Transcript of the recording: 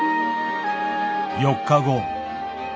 ４日後。